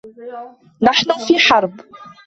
نحن في حرب.